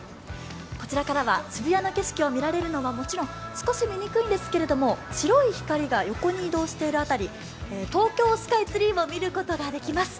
こちらからは渋谷の景色を見られるのはもちろん、少し見にくいんですけど、白い光が横に移動している辺り、東京スカイツリーも見ることができます。